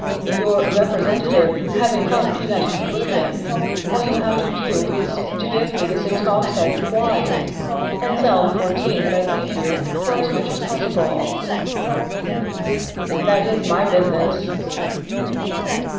Your representative having come to that conclusion, all you have to do is to give me the six hogsheads of wine, and sell the fourteen that I leave you for as much as possible. That is my business.